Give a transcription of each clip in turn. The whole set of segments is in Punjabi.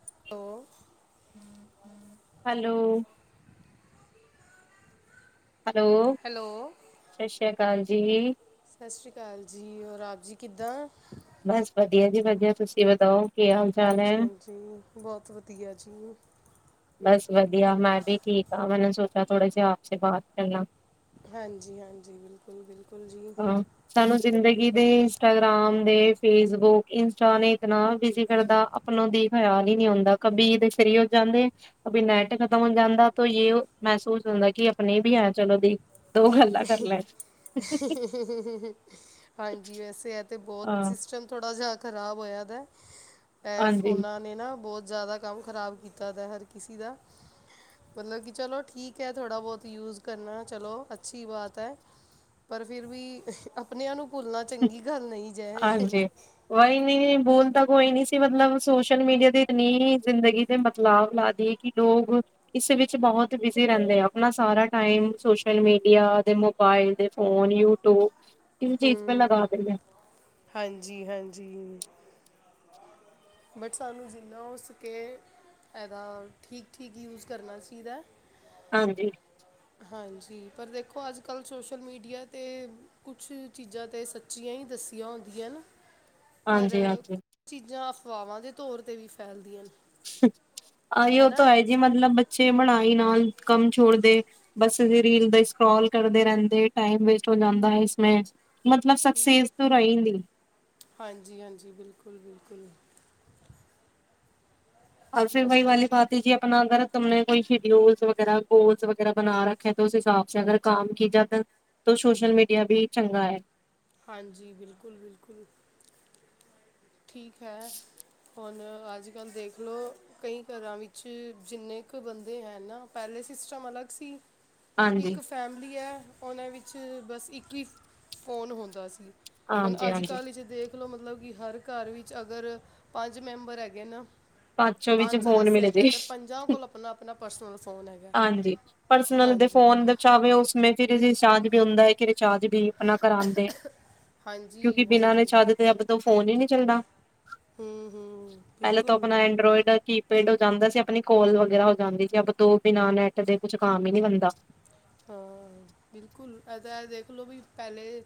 [unintelligible] ਹੈਲੋ। ਹੈਲੋ ਹੈਲੋ ਸਤਿ ਸ੍ਰੀ ਅਕਾਲ ਜੀ। ਸਤਿ ਸ੍ਰੀ ਅਕਾਲ ਜੀ। ਰ ਆਪ ਜੀ ਕਿੱਦਾਂ ਬਸ ਵਧੀਆ ਜੀ ਵਧੀਆ ਤੁਸੀਂ ਵਧਓ। ਹਾਂਜੀ, ਹਾਂਜੀ ਬਹੁਤ ਵਧੀਆ ਜੀ। ਬਸ ਵਧੀਆ ਮੈਂ ਵੀ ਠੀਕ ਹਾਂ। ਮੈਨੇ ਸੋਚਿਆ ਥੋੜੇ ਜਿਹੇ ਆਪ ਬਾਤ ਕਰਨਾ। ਹਾਂਜੀ, ਹਾਂਜੀ। ਬਿਲਕੁਲ, ਬਿਲਕੁਲ ਜੀ। ਹਾਂ। ਸਾਨੂੰ ਜ਼ਿੰਦਗੀ ਦੇ ਇੰਸਟਾਗ੍ਰਾਮ ਦੇ ਫੇਸਬੁੱਕ ਇੰਸਟਾ ਨੇ ਇਤਨਾ ਵਿਜ਼ ਕਰਦਾ ਆਪ ਖਿਆਲ ਹੀ ਨਹੀਂ ਹੁੰਦਾ ਕਭੀ ਦੇ ਸਰੀਰ ਜਾਂਦੇ ਅਭ ਨੈਟ ਖਤਮ ਹੋ ਜਾਂਦਾ ਇਹ ਮਹਿਸੂਸ ਹੁੰਦਾ ਕਿ ਆਪਣੇ ਵੀ ਹੈ ਚਲੋ ਦੇਖ ਗੱਲਦਾ ਕਰ ਲੈ। ਹਾਂਜੀ ਵੈਸੇ ਇਹ ਤੇ ਬਹੁਤ ਹਾਂ ਸਿਸਟਮ ਥੋੜਾ ਜਹਾ ਖ਼ਰਾਬ ਹੋਇਆ ਦਾ ਇਹ ਹਾਂਜੀ ਫੋਨਾਂ ਨੇ ਨਾ ਬਹੁਤ ਜ਼ਿਆਦਾ ਕੰਮ ਖ਼ਰਾਬ ਕੀਤਾ ਦਾ ਹਰ ਕਿਸਸੀ ਦਾ ਮਤਲਬ ਕਿ ਚਲੋ ਠੀਕ ਹੈ ਥੋੜਾ ਬਹੁਤ ਯੂਜ ਕਰਨਾ ਚਲੋ। ਅੱਛੀ ਬਾਤ ਹੈ ਪਰ ਫਿਰ ਵੀ ਆਪਣਿਆਂ ਨੂੰ ਸਕੁਲਣਾ ਚੰਗੀ ਗੱਲ ਨਹੀਂ ਜਏ ਤਾਂ ਕੋਈ ਨੀ ਸੀ ਮਤਲਬ ਸੋਸ਼ਲ ਮੀਡੀਆ ਤੇ ਇੰਨੀ ਜ਼ਿੰਦਗੀ ਦੇ ਬਦਲਾਵ ਲਾ ਦੀਏ ਕਿ ਲੋਕ ਇਸ ਵਿੱਚ ਬਹੁਤ ਬਿਜ਼ੀ ਰਹਿੰਦੇ ਆ ਆਪਣਾ ਸਾਰਾ ਟਾਈਮ ਸੋਸ਼ਲ ਮੀਡੀਆ, ਦੇ ਮੋਬਾਇਲ ਦੇ, ਫੋਨ ਯੂਟੂਬ ਚੀਜ਼ ਪੇ ਲਗਾ ਦਿੰਦੇ ਹੈ ਹਾਂਜੀ, ਹਾਂਜੀ। ਬਟ ਸਾਨੂੰ ਜਿੰਨਾ ਹੋ ਸਕੇ ਇਹਦਾ ਠੀਕ ਠੀਕ ਯੂਸ ਕਰਨਾ ਚਾਹੀਦਾ। ਹਾਂਜੀ। ਹਾਂਜੀ ਪਰ ਦੇਖੋ ਅੱਜ, ਕੱਲ੍ਹ ਸੋਸ਼ਲ ਮੀਡੀਆ 'ਤੇ ਕੁਛ ਚੀਜ਼ਾਂ ਤਾਂ ਸੱਚੀਆਂ ਹੀ ਦੱਸ ਹੁੰਦੀਆਂ ਹਨ ਪਰ ਹਾਂਜੀ-ਹਾਂਜੀ ਕੁਝ ਚੀਜ਼ਾਂ ਅਫਵਾਹਾਂ ਦੇ ਤੌਰ 'ਤੇ ਵੀ ਫੈਲਦੀਆਂ ਹਨ ਹ ਇਹ ਤਾਂ ਹੈ ਜੀ ਮਤਲਬ ਬੱਚੇ ਬਣਾ ਨਾਲ ਕੰਮ ਛੋੜਦੇ ਬਸ ਰੀਲ ਦਾ ਸਕੋਲ ਕਰਦੇ ਰਹਿੰਦੇ ਟਾਈਮ ਵੇਸਟ ਹੋ ਜਾਂਦਾ ਹੈ। ਮਤਲਬ ਸਕਸੇਸ ਹਾਂਜੀ, ਹਾਂਜੀ, ਬਿਲਕੁਲ, ਬਿਲਕੁਲ ਫੇਿਰ ਅੱਜ ਵਹੀ ਕੱਲ ਵਾਲੀ ਭਤੀ ਜੀ ਆਪਣਾ ਗਰਤ ਤ ਨੇ ਕੋਈ ਸ਼ਡਊਲਸ ਵਗੈਰਾ। ਗੋਲਸ ਵਗੈਰਾ ਬਣਾ ਰੱਖੇ ਤਾਂ ਉਸ ਹਿਸਾਬ ਅਗਰ ਕੰਮ ਕੀ ਜਾ ਸੋਸ਼ਲ ਮੀਡੀਆ ਵੀ ਚੰਗਾ ਹੈ। ਹਾਂਜੀ। ਬਿਲਕੁਲ, ਬਿਲਕੁਲ। ਠੀਕ ਹੈ। ਹੁਣ ਅੱਜ, ਕੱਲ ਦੇਖਲੋ ਕਈ ਘਰਾਂ ਵਿੱਚ ਜਿੰਨੇ ਕੁ ਬੰਦੇ ਹੈ ਨਾ ਪਹਿਲੇ ਸਿਸਟਮ ਅਲੱਗ ਸੀ। ਹਾਂਜੀ, ਇੱਕ ਫੈਮਲੀ ਹੈ। ਉਹਨਾਂ ਵਿੱਚ ਬਸ ਇੱਕ ਹੀ ਫੋਨ ਹੁੰਦਾ ਸੀ ਹੁਣ ਹਾਂਜੀ, ਅੱਜ, ਹਾਂਜੀ। ਕੱਲ੍ਹ ਹੀ ਦੇਖਲੋ ਮਤਲਬ ਕਿ ਹਰ ਘਰ ਵਿੱਚ ਅਗਰ ਪੰਜ ਮੈਂਬਰ ਹੈਗੇ ਨਾ। ਵਿੱਚ ਪੰਜ ਸਦਸਯ ਹੈਗਾ। ਤੇ ਪੰਜਾਂ ਕੋਲ ਆਪਣਾ ਆਪਣਾ ਪਰਸਨਲ ਫੋਨ ਹੈਗਾ। ਦੇ ਹਾਂਜੀ ਫੋਨ ਵਿੱਚ ਆਵੇ ਉਸ ਸਮੇਂ ਫਿਰ ਰਿਚਾਰਜ ਵੀ ਹੁੰਦਾ ਹੈ ਕਿ। ਚਾਰਜ ਵੀ ਆਪਣਾ ਕਰਾਉਦੇ ਕਿਉਂਕਿ ਹਾਂਜੀ ਬਿਨਾਂ ਨੇ ਹਾਂਜੀ ਚਾਰਜ ਦੇ ਅੱਬ ਤੋਂ ਫੋਨ ਹੀ ਨਹੀਂੀ ਚੱਲਦਾ। ਹਮ, ਹਮ ਬਿਲਕੁਲ ਆਪਣਾ ਐਂਡਰਾੋਇਡ ਕੀ ਪੇਡ ਹੋ ਜਾਂਦਾ ਸੀ ਆਪਣੀ ਕੋਲ ਵਗੈਰਾ। ਹੋ ਜਾਂਦੀ ਸੀ ਆਪ ਤੋਂ ਬਿਨਾਂ ਨੈੱਟ ਦੇ ਕੁਛ ਕੰਮ ਹੀ ਨਹੀਂੀ ਬੰਦਾ। ਹਾਂ। ਬਿਲਕੁਲ ਇਹ ਤਾਂ ਦੇਖਲੋ ਵੀ ਪਹਿਲੇ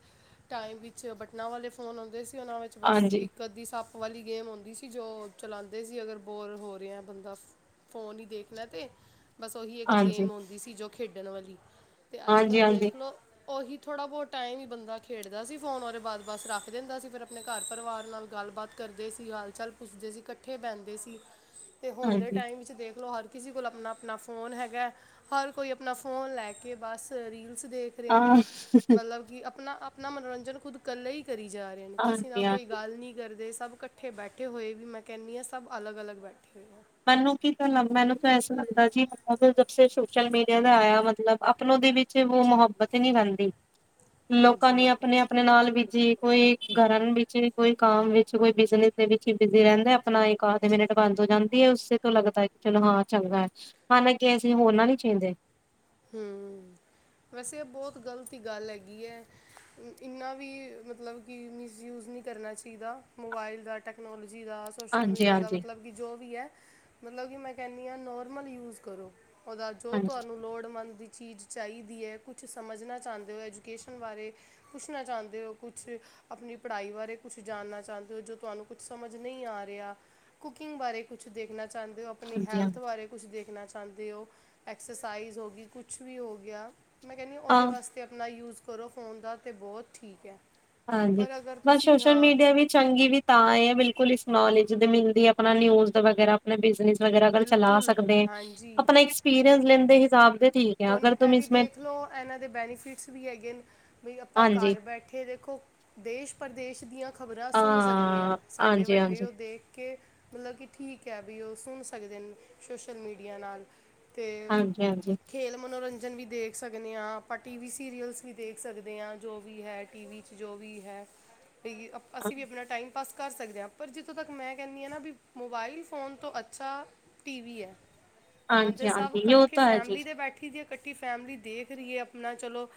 ਟਾਈਮ ਵਿੱਚ ਬਟਨਾਂ ਵਾਲੇ ਫੋਨ ਆਉਂਦੇ ਸੀ। ਉਹਨਾਂ ਵਿੱਚ ਬਸ ਹਾਂਜੀ, ਇੱਕ ਅੱਧੀ ਸੱਪ ਵਾਲੀ। ਗੇਮ ਆਉਂਦੀ ਸੀ ਜੋ ਚਲਾਉਂਦੇ ਸੀ ਅਗਰ ਬੋਰ ਹੋ ਰਿਹਾ ਬੰਦਾ। ਫੋਨ ਹੀ ਦੇਖਣਾ ਤੇ। ਬਸ ਉਹੀ ਇੱਕ ਹਾਂਜੀ, ਹਾਂਜੀ, ਗੇਮ ਆਉਂਦੀ ਸੀ ਜੋ ਖੇਡਣ ਵਾਲੀ ਅਤੇ ਅੱਜ ਕੱਲ੍ਹ ਹਾਂਜੀ, ਦੇਖ ਲਓ ਉਹੀ। ਥੋੜ੍ਹਾ ਬਹੁਤ ਟਾਈਮ ਹੀ ਬੰਦਾ ਖੇਡਦਾ ਸੀ ਫੋਨ ਬਾਰੇ ਬਸ ਬੱਸ ਰੱਖ ਦਿੰਦਾ ਸੀ ਫਿਰ ਆਪਣੇ ਘਰ ਪਰਿਵਾਰ ਨਾਲ ਗੱਲਬਾਤ ਕਰ। ਕਰਦੇ ਸੀ ਹਾਲ ਚਾਲ ਪੁੱਛਦੇ ਸੀ ਇਕੱਠੇ ਬਹਿੰਦੇ ਸੀ ਤੇ ਹੁਣ ਦੇ ਹਾਂਜੀ। ਟਾਈਮ ਵਿੱਚ ਦੇਖਲੋ ਹਰ। ਕਿਸੇ ਕੋਲ ਆਪਣਾ ਆਪਣਾ ਫੋਨ ਹੈਗਾ ਹਰ ਕੋਈ ਆਪਣਾ ਫੋਨ ਲੈ ਕੇ ਬਸ ਰੀਲ। ਦੇਖ ਰਹੇ ਹਾਂ। ਮਤਲਬ ਕਿ ਆਪਣਾ ਆਪਣਾ ਮਨੋਰੰਜਨ ਖੁਦ ਇਕੇ ਹੀ। ਕਰੀ ਜਾ ਰਹੇ ਨੇ ਕਿਸੇ ਨਾਲ ਕੋਈ ਹਾਂਜੀ-ਹਾਂਜੀ ਗੱਲ ਨਹੀਂੀ ਕਰਦੇ। ਸਭ ਇਕੱਠੇ ਬੈਠੇ ਹੋਏ ਵੀ ਮੈਂ ਕਹਿੰਦੀ ਹਾਂ ਸਭ ਅਲੱ ਅਲੱਗ ਬੈਠੇ ਹੋਏ ਹੋ ਮੈਨੂੰ ਕੀ ਤਾਂ ਮੈਨੂੰ ਤਾਂ ਐਸ ਲੱਗਦਾ ਜੀ ਮ ਜ ਸੋਸ਼ਲ ਮੀਡੀਆ ਦਾ ਆਇਆ ਮਤਲਬ ਆਪ। ਦੇ ਵਿੱਚ ਉਹ ਮੁਹੱਬਤ ਹੀ ਨਹੀਂੀ ਰਹਿੰਦੀ ਲੋਕਾਂ ਨੇ ਹਾਂਜੀ ਆਪਣੇ ਆਪਣੇ ਨਾਲ ਵੀ। ਜੀ ਕੋਈ ਘਰਾਂ ਵਿੱਚ ਕੋਈ ਕੰਮ ਵਿੱਚ ਕੋਈ ਬਿਜਨਸ ਦੇ ਵਿੱਚ ਬਿਜ਼ੀ ਰਹਿੰਦਾ ਆਪਣਾ ਮ। ਬੰਦ ਹੋ ਜਾਂਦੀ ਹੈ ਉਸੇ ਤੋਂ ਲੱਗਦਾ ਹੈ ਕਿ ਚਲੋ ਹਾਂ ਚੰਗਾ ਹੈ ਮੰਨਗੇ ਅਸੀਂ ਹੋਰ ਨਾ ਨਹੀਂੀ ਚਾਹੀਦੇ। ਹਮ ਵੈਸੇ ਇਹ ਬਹੁਤ ਗ਼ਲਤ ਗੱਲ ਹੈਗੀ ਹੈ। ਇੰਨਾ ਵੀ ਮਤਲਬ ਕਿ ਮਿਸਯੂਜ ਨਹੀਂ ਕਰਨਾ ਚਾਹੀਦਾ ਮੋਬਾਈਲ ਦਾ ਟੈਕਨੋਲਜਜੀ। ਜੀਹਦਾ ਸੋਸ਼ਲ ਮੀਡੀਆ ਦਾ ਹਾਂਜੀ-ਹਾਂਜੀ, ਮਤਲਬ ਕਿ ਜੋ ਵੀ ਹੈ। ਮਤਲਬ ਕਿ ਮੈਂ ਕਹਿੰਦੀ ਹ ਨੋਰਮਲ ਯੂਜ ਕਰੋ ਦਾ ਜੋ ਹਾਂਜੀ-ਹਾਂਜੀ, ਤੁਹਾਨੂੰ ਲੋੜ। ਦੀ ਚੀਜ਼ ਚਾਹੀਦੀ ਹੈ ਕੁਛ ਸਮਝਣਾ ਚਾਹੁੰਦੇ ਹੋ ਐਜੂਕੇਸ਼ਨ ਬਾਰੇ ਪੁੱਛਣਾ ਚਾਹੁੰਦੇ ਹੋ ਕੁਛ। ਆਪਣੀ ਪੜ੍ਹਾਈ ਬਾਰੇ ਕੁਛ ਜਾਣਨਾ ਚਾਹੁੰਦੇ ਹੋ ਜੋ ਤੁਹਾਨੂੰ ਕੁਛ ਸਮਝ ਨਹੀਂ ਆ ਰਿਹਾ। ਕੁਕਿੰਗ ਬਾਰੇ ਕੁੱਛ ਦੇਖਣਾ। ਚਾਹੁੰਦੇ ਹੋ ਆਪਣੀ ਹਾਂਜੀ ਹੈਲਥ ਬਾਰੇ ਕੁਛ ਦੇਖਣਾ ਚਾਹੁੰਦੇ ਹੋ ਐਕਸਰਸਾਈਜ਼ ਹੋ। ਕੁਛ ਵੀ ਹੋ ਗਿਆ ਮੈਂ ਕਹਿੰਦੀ ਉਹਦੇ ਹਾਂ। ਵਾਸਤੇ ਆਪਣਾ ਯੂਜ ਕਰੋ ਫ਼ੋਨ ਦਾ ਤਾਂ ਬਹੁਤ ਠੀਕ ਹੈ। ਹਾਂਜੀ ਪਰ ਅਗਰ ਬਸ ਤੁਸੀਂ ਸੋਸ਼ਲ ਹਾਂ ਮੀਡੀਆ ਵੀ ਚੰਗੀ ਵੀ ਤਾਂ ਬਿਲਕੁਲ ਇਸ ਨੌਲੇਜ। ਜਦ ਮਿਲਦੀ ਆਪਣਾ ਨਿਊਜ਼ ਦਾ ਵਗੈਰਾ ਆਪਣਾ ਬਿਜਨਸ। ਵਗਰਾ ਚਲਾ ਬਿਲਕੁਲ ਸਕਦੇ ਹਾਂਜੀ ਆਪਣਾ ਇੱਕ ਐਕਸਪੀਰੀੰਸ ਲੈਣ ਦੇ ਹਿਸਾਬ ਤੇ ਠੀਕ ਆ ਹੁਣ ਅਗਰ ਤ। ਇਹ ਵੀ ਦੇਖ ਲਓ ਇਹਨਾਂ ਦੇ ਬੈਨੀਫਿਟਸ ਵੀ ਹੈਗੇ ਨੇ ਬਈ ਆਪਾਂ ਹਾਂਜੀ ਘਰ ਬੈਠੇ ਦੇਖੋ। ਦੇਸ਼ ਪ੍ਰਦੇਸ਼ ਦੀਆਂ। ਖ਼ਬਰਾਂ ਸੁਣ ਸਕਦੇ ਹਾਂ ਸਾਡੇ ਹਾਂਜੀ ਵੱਡੇ ਹਾਂਜੀ ਉਹ ਦੇਖ ਕੇ ਮਤਲਬ ਕਿ ਠੀਕ ਹੈ ਵੀ ਉਹ ਸੁਣ। ਸਕਦੇ ਸੋਸ਼ਲ ਮੀਡੀਆ ਨਾਲ ਹਾਂਜੀ ਹਾਂਜੀ ਖੇ ਮਨੋਰੰਜ। ਭਜਨ ਵੀ ਦੇਖ ਸਕਦੇ ਹਾਂ ਆਪਾਂ ਟੀ ਵੀ ਸੀਰੀਅਲਸ ਵੀ ਦੇਖ ਸਕਦੇ ਹਾਂ ਜੋ ਵੀ ਹੈ ਟੀ ਵੀ 'ਚ ਜੋ ਵੀ ਹੈ। ਬਸ ਹਾਂ, ਅਸੀਂ ਵੀ ਆਪਣਾ ਟਾਈਮ ਪਾਸ ਕਰ ਸਕਦੇ ਹਾਂ ਪਰ ਜਿੱਥੋਂ ਤੱਕ ਮੈਂ ਕਹਿੰਦੀ ਹਾਂ ਨਾ ਵੀ ਮੋਬਾਇਲ ਫੋਨ ਤੋਂ। ਮਤਲਬ ਹਾਂਜੀ ਸਬ ਹਾਂਜੀ ਉਹ ਤਾਂ ਹੈ ਜੀ ਫੈਮਲੀ ਦੇ ਬੈਠੀ ਦੇਖ ਰਹੀਏ ਆਪਣਾ ਚਲੋ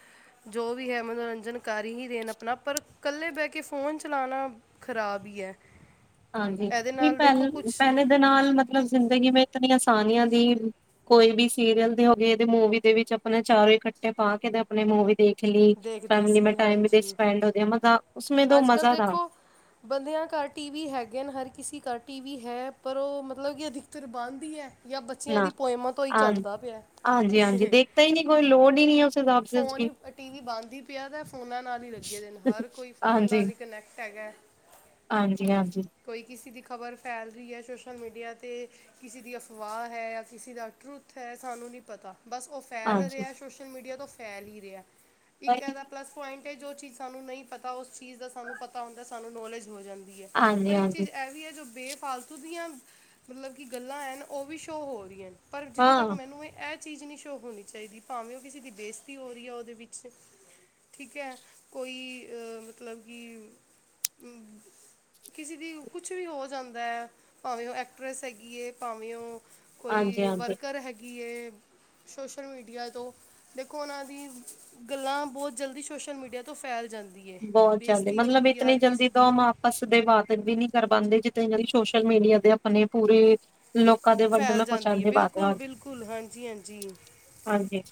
ਜੋ ਵੀ ਹੈ ਮਨੋਰੰਜਨ ਕਰ ਹੀ ਰਣ ਆਪਣਾ ਪਰ ਇਕੱਲੇ ਬਹਿ ਕੇ। ਫੋਨ ਚਲਾਉਣਾ ਖਰਾਬ ਹੀ ਹੈ। ਹਾਂਜੀ ਇਹਦੇ ਵੀ ਨਾਲ ਦੇਖੋ ਪਹਿਲ ਕੁਝ ਪਹਿਲੇ ਦੇ ਨਾਲ ਮਤਲਬ। ਜ਼ਿੰਦਗੀ ਮ ਇਤਨੀ ਆਸਾਨੀਆਂ ਦੀ ਕੋਈ ਵੀ ਸੀਰੀਅਲ ਦੇ ਹੋ ਗਏਦੇ ਮੂਵੀ ਦੇ ਵਿੱਚ ਆਪਣਾ ਚਾਰੋਂ ਹੀ। ਪਾ ਕੇ ਆਪਣੇ ਮਵੀ ਦੇਖ ਦੇਖਦੇ ਲਈੈਮ ਮੈਂ ਸੀ ਟ ਹਾਂਜੀ ਸਪੈਂਡ ਮ। ਅੱਜ ਕੱਲ ਦੇਖੋ ਬੰਦਿਆਂ ਘਰ ਟੀ ਵੀ ਹੈਗੇ। ਨ ਹਰ ਕਿਸੇ ਘ ਟੀ ਵੀ ਹੈ ਪਰ ਉਹ ਮਤਲਬ ਕਿ ਅਧਿਕਤਰ ਬਾਂਨਦੀ ਹੈ। ਜਾਂ ਬੱਚਿਆਂ ਦੀ ਪੋਇਮਾ ਤੋਂ ਹੀ ਚੱਲਦਾ ਪਿਆ। ਫੋਨ ਹੀ ਟੀ ਵੀ ਬੰਦ ਹੀ ਪਿਆ ਤੇ ਫੋਨਾ ਨਾਲ ਹੀ ਲ। ਲੱਗੇ ਦੇ ਨੇ ਹਰ ਕੋਈ। ਫੋਨ ਨਾਲ ਹੀ ਕਨੈਕਟ ਹੈਗਾ ਕੋਈ ਕਿਸੇ ਦੀ ਖ਼ਬਰ ਫੈਲ ਰਹੀ ਹੈ। ਸੋਸ਼ਲ ਮੀਡੀਆ 'ਤੇ ਕਿਸੇ ਦੀ ਅਫਵਾਹ ਹੈ ਜਾਂ ਕਿਸੇ ਦਾ ਟਰੁੱਥ ਹੈ ਸਾਨੂੰ ਨਹੀਂ ਪਤਾ। ਬਸ ਉਹ ਫੈਲ ਰਿਹਾ ਸੋਸ਼ਲ ਮੀਡੀਆ ਤੋਂ ਫੈਲ ਹੀ ਰਿਹਾ ਇੱਕ ਇਹਦਾ ਪਲੱਸ ਪੁਆਇੰਟ। ਕਿ ਜੋ ਚੀਜ਼ ਸਾਨੂੰ ਨਹੀਂ ਪਤਾ ਉਸ ਚੀਜ਼ ਦਾ ਸਾਨੂੰ ਪਤਾ ਹੁੰਦਾ ਸਾਨੂੰ ਨੌਲੇਜ ਹੋ ਜਾਂਦੀ। ਹੈ ਪਰ ਇੱਕ ਚੀਜ਼ ਇਹ ਵੀ ਹੈ ਜੋ ਬੇਫ। ਫਾਲਤੂ ਦੀਆਂ ਮਤਲਬ ਕਿ ਗੱਲਾਂ ਐ ਉਹ ਵੀ ਸ਼ੋਅ ਹੋ ਰਹੀਆਂ ਪਰ ਜਿੱਦੋਂ ਤੱਕ ਮੈਨੂੰ ਇਹ ਇਹ ਚੀਜ਼ ਨੀ ਸ਼ੋਅ ਹੋਣੀ ਚਾਹੀਦੀ ਭਾਵੇਂ ਉਹ ਕਿਸੇ ਦੀ ਬੇਇਸਤੀ ਹੋ ਰਹੀ ਹੈ ਉਹਦੇ ਵਿੱਚ ਠੀਕ ਹੈ ਕੋਈ ਮਤਲਬ ਕਿ ਕਿਸੇ ਦੀ ਕੁਛ ਵੀ ਹੋ ਜਾਂਦਾ ਹੈ ਭਾਵੇਂ ਉਹ ਐਕਟਰ੍ਰੈਸ ਹੈਗੀ ਹੈ ਭਾਵੇਂ ਉਹ ਕੋਈ ਵਰਕਰ ਹੈਗੀ ਹੈ। ਸੋਸ਼ਲ ਮੀਡੀਆ ਤੋਂ ਦੇਖੋ ਉਹਨਾਂ ਦੀ ਗੱਲਾਂ ਬਹੁਤ ਜਲਦੀ ਸੋਸ਼ਲ ਮੀਡੀਆ ਤੋਂ ਫੈਲ ਜਾਂਦੀ ਏ ਬਹੁਤ ਜਲਦੀ ਬੇਇੱਜ਼ਤੀ ਮਤਲਬ ਹੁੰਦੀ ਹੈ ਇਤਨੀ ਹਰ ਕਿਸੇ ਜਲਦੀ ਤਾਂ ਦੀ ਉਹ ਮਾਪਸ ਦੇ [unintelligible] ਵੀ ਨੀ ਕਰ ਪਾਉਂਦੇ। [unintelligible] ਸੋਸ਼ਲ ਮੀਡੀਆ ਦੇ ਆਪਣੇ ਪੂਰੇ ਲੋਕਾਂ ਦੇ ਵੰਡ ਫੈਲ ਜਾਂਦੀ ਹੈ ਬਿਲਕੁਲ ਬਿਲਕੁਲ ਹਾਂਜੀ ਹਾਂਜੀ। ਹਾਂਜੀ।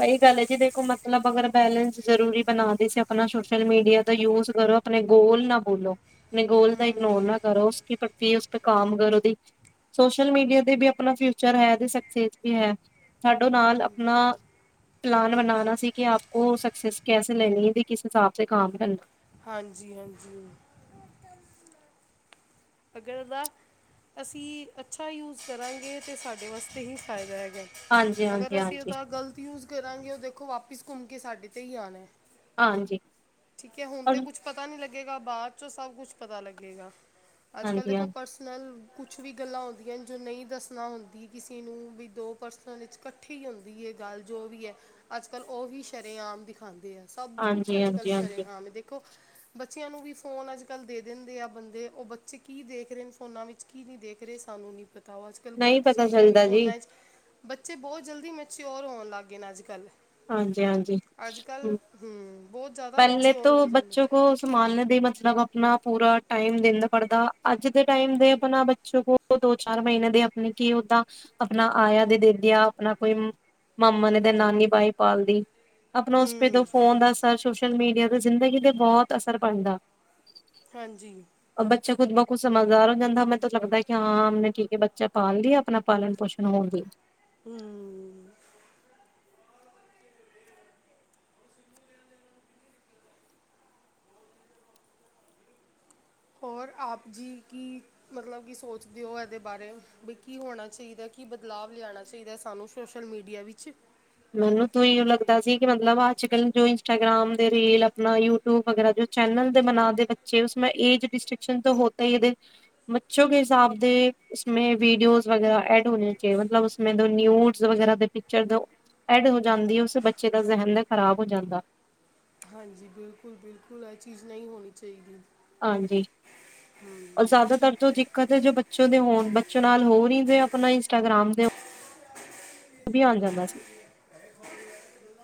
ਸਹੀ ਗੱਲ ਹੈ ਜੀ ਦੇਖੋ ਮਤਲਬ ਅਗਰ ਬੈਲੰਸ ਜਰੂਰੀ ਬਣਾ ਦੇ ਸੀ ਆਪਣਾ ਸੋਸ਼ਲ ਮੀਡੀਆ ਦਾ ਯੂਜ ਆਪਣੇ ਗੋਲ ਨਾ ਬੋਲੋ ਆਪਣੇ ਗੋਲ ਦਾ ਹੂੰ ਇਗਨੋਰ ਨਾ ਕਰੋ ਉਸ। [unintelligible] ਕਾਮ ਕਰੋ ਦੀ ਸੋਸ਼ਲ ਮੀਡੀਆ ਤੇ ਵੀ ਆਪਣਾ ਫਿਊਚਰ ਹੈ ਤੇ ਸਕਸੈਸ ਵੀ ਹੈ। ਸਾਡੋ ਨਾਲ ਆਪਣਾ ਪਲਾਨ ਬਣਾਨਾ ਸੀ ਕਿ ਆਪਕੋ ਸਕਕਸੈਸ ਕੈਸੇ ਲੈਣੀ ਤੇ ਕਿਸ ਹਿਸਾਬ ਕੰਮ ਕਰਨਾ। ਹਾਂਜੀ ਹਾਂਜੀ। ਅਗਰ ਇਹਦਾ ਅਸੀਂ ਅੱਛਾ ਯੂਜ ਕਰਾਂਗੇ ਤਾਂ ਸਾਡੇ ਵਾਸਤੇ ਹੀ ਫਾਇਦਾ ਹੈਗਾ ਹਾਂਜੀ, ਹਾਂਜੀ, ਅਗਰ ਅਸੀਂ ਹਾਂਜੀ, ਉਹਦਾ ਗ਼ਲਤ ਯੂਜ ਕਰਾਂਗੇ ਉਹ ਦੇਖੋ ਵਾਪਿਸ ਘੁੰਮ ਕੇ ਸਾਡੇ ਤੇ ਹੀ ਆਣਾ। ਹਾਂਜੀ। ਠੀਕ ਹੈ ਹੁਣ ਤੇ ਕੁੱਛ ਪਤਾ ਨੀ ਲੱਗੇਗਾ ਬਾਅਦ ਚੋਂ ਸਭ ਕੁੱਛ ਪਤਾ ਲੱਗੇਗਾ। ਅੱਜ ਕੱਲ ਹਾਂਜੀ, ਦੇਖੋ ਹਾਂ। ਪਰਸਨਲ ਕੁਛ ਵੀ ਗੱਲਾਂ ਹੁੰਦੀਆਂ ਨੇ ਜੋ ਨਹੀਂ ਦੱਸਣਾ ਹੁੰਦੀ ਕਿਸੇ ਨੂੰ ਵੀ ਦੋ ਪਰਸਨਾਂ ਵਿੱਚ ਇਕੱਠੀ ਹੁੰਦੀ ਹੈ। ਗੱਲ ਜੋ ਵੀ ਹੈ ਅੱਜ ਕੱਲ੍ਹ ਉਹ ਵੀ ਸ਼ਰੇਆਮ ਦਿਖਾਉਂਦੇ ਆ ਸਭ ਕੁੱਛ ਹਾਂਜੀ, ਅੱਜ ਕੱਲ ਹਾਂਜੀ, ਹਾਂਜੀ ਸ਼ਰੇਆਮ ਹੈ ਦੇਖੋ ਖੋ ਬੱਚਿਆਂ ਨੂੰ ਵੀ ਫੋਨ ਅੱਜ ਕੱਲ੍ਹ ਦੇ ਦਿੰਦੇ ਆ ਬੰਦੇ ਉਹ ਬੱਚੇ ਕੀ ਦੇਖ ਰਹੇ ਨੇ ਫੋਨਾਂ ਵਿੱਚ ਕੀ ਨਹੀਂ ਦੇਖ ਰਹੇ ਸਾਨੂੰ ਨਹੀਂ ਪਤਾ ਅੱਜ ਕੱਲ ਨਹੀਂ ਗਲਤ ਪਤਾ ਚੀਜ਼ਾਂ ਵੀ ਚੱਲਦਾ ਜੀ ਫੋਨਾਂ ਚ ਬੱਚੇ ਬਹੁਤ ਜਲਦੀ ਮਚਿਉਓਰ ਹੋਉਣ ਲੱਗ ਗਏ ਨੇ ਅੱਜ ਕੱਲ। ਹਾਂਜੀ ਹਾਂਜੀ ਹਮ। ਹੂੰ ਬਹੁਤ ਜ਼ਿਆਦਾ ਪਹਿਲੇ ਮੈਚਿਓਰ ਤੋਂ ਹੋ ਜਾਂਦੇ ਬੱਚੋ ਕੋ ਸੰਭਾਲ ਨੇ ਦੇਈ [unintelligible] ਆਪਣਾ ਪੂਰਾ ਟਾਈਮ ਦਿੰਦਾ ਪੜਦਾ ਅੱਜ ਦੇ ਟਾਈਮ ਦੇ ਆਪਣਾ ਬੱਚੋ ਕੋ ਦੋ ਚਾਰ ਮਹੀਨੇ ਦੇ ਆਪਣੀ ਕੀ ਓਦਾਂ ਆਪਣਾ ਆਇਆ ਦੇ ਦੇਖਦਿਆਂ ਆਪਣਾ ਕੋਈ ਮਾਮਾ ਨੇ ਤੇ ਨਾਨੀ ਬਾਈ ਪਾਲਦੀ ਆਪਣਾ ਉਸ ਪੇ ਹੂੰ ਤੋਂ ਫੋਨ ਦੱਸ ਸੋਸ਼ਲ ਮੀਡੀਆ ਤੇ ਜ਼ਿੰਦਗੀ ਤੇ ਬਹੁਤ ਅਸਰ ਪੈੰਦਾ। ਹਾਂਜੀ। ਬੱਚਾ ਖੁਦ ਮ ਖੁਦ ਸਮਝਦਾਰ ਹੋ ਜਾਂਦਾ ਮੈਨੂੰ ਲੱਦਾ ਕਿ ਹਾਂ ਹਾਂ ਨੇ ਠੀਕ ਹੈ ਬੱਚਾ ਪਾਲ ਲਈ ਆਪਣਾ ਪਾਲਣ ਪੋਸ਼ਣ ਹੋਣ ਲਈ। ਹੂ। ਹੋਰ ਆਪ ਜੀ ਕੀ ਮਤਲਬ ਕੀ ਸੋਚਦੇ ਹੋ ਇਹਦੇ ਬਾਰੇ ਵੀ ਕੀ ਹੋਣਾ ਚਾਹੀਦਾ? ਕੀ ਬਦਲਾਵ ਲਿਆਉਣਾ ਚਾਹੀਦਾ ਸਾਨੂੰ ਸੋਸ਼ਲ ਮੀਡੀਆ ਵਿੱਚ? ਮੈਨੂੰ ਤ ਇ ਲੱਗਦਾ ਸੀ ਕਿ ਮਤਲਬ ਅੱਜ ਕੱਲ ਜੋ ਇੰਸਟਾਗ੍ਰਾਮ ਦੇ ਰੀਲ ਆਪਣਾ ਯੂਟਿਊਬ ਵਗੈਰਾ ਜੋ ਚੈਨਲ ਦੇ ਬਨਾ ਦੇ ਬੱਚੇ ਉਸਮੇ ਏਜ ਡਿਸਟਸ਼ਨ ਤਾਂ ਹੋਤਾ ਹੀ ਇਹਦੇ ਬੱਚੋ ਹਿਸਾਬ ਦੇ ਉਸੇ ਵੀਡੀਓ ਵਗੈਰਾ ਐਡ ਹੋਣੇ ਚਾਹੀੲ ਮਤਲਬ ਉਸੇ ਨਿਊਜ਼ ਵਗੈਰਾ ਦੇ ਪਿਕਚਰ ਵੀਡੀਓ ਐਡ ਹੋ ਜਾਂਦੀ ਹੈ ਉਸ ਬੱਚੇ ਦਾ ਜ਼ਹਨ ਖ਼ਰਾਬ ਹੋ ਜਾਂਦਾ। ਹਾਂਜੀ ਬਿਲਕੁਲ ਬਿਲਕੁਲ ਇਹ ਚੀਜ਼ ਨਹੀਂ ਹੋਣੀ ਚਾਹੀਦੀ। ਹਾਂਜੀ ਅੋਰ ਹੂੰ ਠੀਕ ਜ਼ਿਆਦਾਤਰ ਜੋ ਦਿੱਕਤ ਹੈ ਜੋ ਬੱਚੇ ਦੇ ਹੋਣ ਚੁਨਾਲ ਹੋਰ ਹੀ ਦੇ ਆਪਣਾ ਇੰਸਟਾਗਰਾਮ ਦੇ ਅਭਿਆਨ ਜਾਂਦਾ ਸੀ।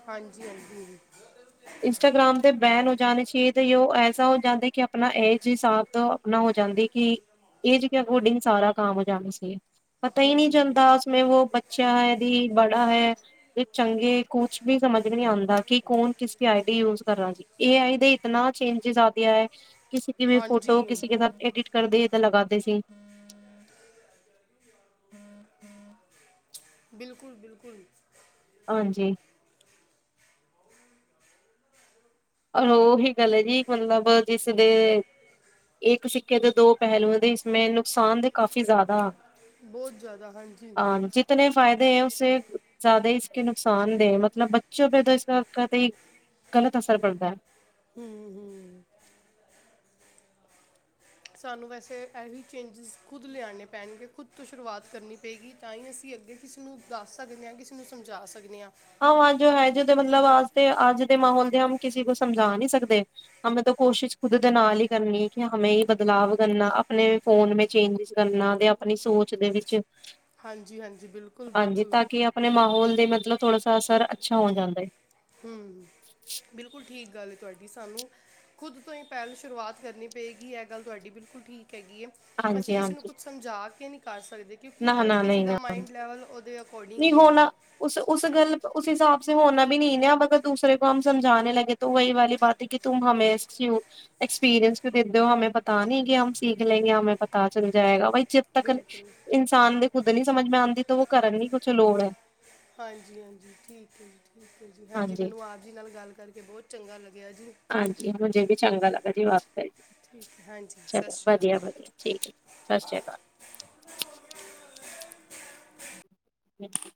ਹਾਂਜੀ ਹਾਂਜੀ। ਇੰਸਟਾਗਰਾਮ ਤੇ ਬੈਨ ਹੋ ਜਾਣੇ ਚ ਤੇ ਉਹ ਐਸਾ ਹੋ ਜਾਂਦਾ ਕਿ ਆਪਣਾ ਏਜ ਹਿਸਾਬ ਦਾ ਆਪਣਾ ਜਾਂਦੇ ਕਿ ਏਜ ਕੇ ਅਕੋਰਡਿੰਗ ਸਾਰਾ ਕਾਮ ਹੋ ਜਾਂਦਾ ਸੀ ਪਤਾ ਹੀ ਨਹੀਂ ਚਲਦਾ ਉਸਮੇ ਵੋ ਬੱਚਾ ਹੈ ਜੀ ਬੜਾ ਹੈ ਚੰਗੇ ਕੁਛ ਵੀ ਸਮਝ ਨ ਆਉਂਦਾ ਕਿ ਕੌਣ ਆਈਡੀ ਯੂਜ ਕਰ ਜੀ ਏ ਆਈ ਦੇ ਇਤਨਾ ਚੇਂਜ ਆ ਹੈ। ਕਿਸੇ ਕੀ ਵੀ ਹਾਂਜੀ ਫੋਟੋ ਕਿਸੇ ਕੇ ਸਾ ਐਡਿਟ ਕਰਦੇ ਸੀ ਤਾਂ ਲਗਾਦੇ ਸੀ। ਬਿਲਕੁਲ ਬਿਲਕੁਲ। ਹਾਂਜੀ। ਰ ਉਹੀ ਗੱਲ ਹੈ ਜੀ ਮਤਲਬ ਜਿਸਦੇ ਇੱਕ ਸਿੱਕੇ ਦੇ ਦੋ ਪਹਿਲੂਆਂ ਦੇ ਇਸਂ ਨੁਕਸਾਨ ਦੇ ਕਾਫੀ ਜ਼ਿਆਦਾ ਹਨ। ਬਹੁਤ ਜ਼ਿਆਦਾ ਹਾਂਜੀ। ਫਾਇਦੇ ਉਸੇ ਜ਼ਿਆਦਾ ਹੀ ਇਸ ਨੁਕਸਾਨ ਦੇ ਮਤਲਬ ਬੱਚੋ ਪੇ ਇਸ ਕ ਗ਼ਲਤ ਅਸਰ ਪੜਦਾ ਹੈ। ਹੂ ਹੂ। ਸਾਨੂੰ ਵੈਸੇ ਇਹ ਚੇਂਜਿਸ ਖੁਦ ਲਿਆਉਣੇ ਪੈਣਗੇ ਖੁਦ ਤੋਂ ਸ਼ੁਰੂਆਤ ਕਰਨੀ ਪਏਗੀ ਤਾਂ ਹੀ ਅਸੀਂ-' ਅੱਗੇ ਕਿਸੇ ਨੂੰ ਦੱਸ ਸਕਦੇ ਹਾਂ ਕਿਸੇ ਨੂੰ ਸਮਝਾ ਸਕਦੇ ਹਾਂ। ਆਹ ਅੱਜ ਹੈ ਜ ਮਤਲਬ ਅੱਜ ਤੇ ਅੱਜ ਦੇ ਮਾਹੌਲ ਦੇ ਹੂ ਹੂ ਕਿਸੇ ਕੋ ਸਮਝਾ ਨਹੀਂ ਸਕਦੇ। ਕੋਸ਼ਿਸ਼ ਖੁਦ ਦੇ ਨਾਲ ਹੀ ਕਰਨੀ ਕਿ ਹਮੇ ਬਦਲਾਵ ਕਰਨਾ ਆਪਣੇ ਫੋਨ ਮ ਚੇਂਜਿਸ ਕਰਨਾ ਆਪਣੀ ਸੋਚ ਦੇ ਵਿੱਚ ਹਾਂਜੀ ਹਾਂਜੀ ਬਿਲਕੁਲ ਹਾਂਜੀ ਬਿਲਕੁਲ ਤਾਂ ਕਿ ਆਪਣੇ ਮਾਹੌਲ ਦੇ ਮ ਥੋੜਾ ਸ ਅ ਸਰਰ ਅੱਛਾ ਹੋ ਜਾਂਦਾ ਏ। ਹੂ ਹੂ ਬਿਲਕੁਲ ਠੀਕ। ਗੱਲ ਤੁਹਾਡੀ ਸਾਨੂੰ ਖੁਦ ਤੋਂ ਹੀ ਪਹਿਲ ਸ਼ੁਰੂਆਤ ਕਰਨੀ ਪਏਗੀ ਇਹ ਗੱਲ ਤੁਹਾਡੀ ਬਿਲਕੁਲ ਠੀਕ। ਹੈਗੀ ਹੈ ਅਸੀਂ ਹਾਂਜੀ ਕਿਸੇ ਨੂੰ ਹਾਂਜੀ ਕੁਛ ਸਮਝਾ ਕੇ ਨਹੀਂ ਕਰ ਸਕਦੇ ਕਿਉਂਕਿ ਨਾ ਹਰ ਨਾ ਕਿਸੇ ਦਾ ਮਾਇੰਡ ਲੈਵਲ ਉਹਦੇ ਅਕੋਰਡਿੰਗ ਨਹੀਂ ਹੀ ਹੈਗਾ ਹੋਣਾ ਉਸ ਉਸ ਗੱਲ ਉਸ ਹਿਸਾਬ ਹੋਣਾ ਵੀ ਨਹੀਂ ਅਗਰ ਦੂਸਰੇ ਕੋ ਹੂ ਸਮਝਾਣੇ ਲਗੇ ਤਾਂ ਵਹੀ ਵਾਲੀ ਬਾਤ ਹੈ ਕਿ ਤੁਮ ਹੂ ਐਕਸਪੀਰੀਅੰਸ ਵੀ ਦਿੰਦੇ ਹੋ ਹਂ ਪਤਾ ਨੀ ਕਿਮ ਸਿੱਖ ਲੈਂ। ਪਤਾ ਚੱਲ ਜਾਏਗਾ ਬਾਈ ਜਿੱ ਤੱਕ ਬਿਲਕੁਲ ਇਨਸਾਨ ਦੇ ਖੁੱਦ ਨੀ ਸਮਝ ਮੈਂ ਆਉਂਦੀ ਤਾਂ ਉਹ ਕਰਨ ਦੀ ਕੁਛ ਲੋੜ ਹੈ। ਹਾਂਜੀ ਹਾਂਜੀ ਠੀਕ ਹੈ ਜੀ। ਠੀਕ ਹੈ ਜੀ ਹਾਂਜੀ ਮੈਨੂੰ ਆਪ ਜੀ ਨਾਲ ਗੱਲ ਕਰਕੇ ਬਹੁਤ ਚੰਗਾ ਲੱਗਿਆ ਜੀ। ਹਾਂਜੀ ਮੁਝੇ ਵੀ ਚੰਗਾ ਠੀਕ ਹੈ ਹਾਂਜੀ ਸਤਿ ਚਲੋ ਸ਼੍ਰੀ ਅਕਾਲ ਵਧੀਆ ਜੀ ਵਧੀਆ ਠੀਕ ਸਤਿ ਸ਼੍ਰੀ ਅਕਾਲ। [inaudible]